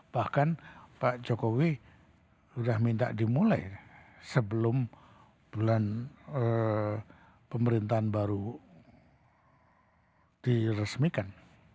bahkan pak jokowi sudah minta dimulai sebelum bulan pemerintahan baru diresmikan